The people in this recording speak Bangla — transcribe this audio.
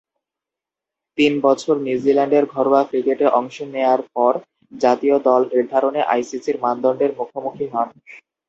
তিন বছর নিউজিল্যান্ডের ঘরোয়া ক্রিকেটে অংশ নেয়ার পর জাতীয় দল নির্ধারণে আইসিসি'র মানদণ্ডের মুখোমুখি হন।